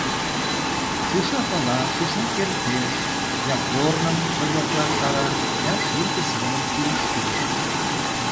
Шуша пала, шуша кертеш: я корным вынерла шара, я шӱртӧ семын кӱрыштеш.